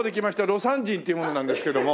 魯山人っていう者なんですけども。